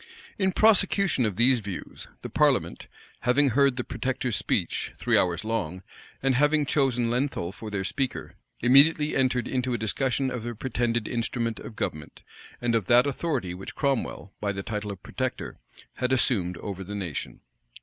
In prosecution of these views, the parliament, having heard the protector's speech, three hours long,[*] and having chosen Lenthal for their speaker, immediately entered into a discussion of the pretended instrument of government, and of that authority which Cromwell, by the title of protector, had assumed over the nation.